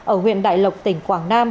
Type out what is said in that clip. ở huyện đại lộc tỉnh quảng nam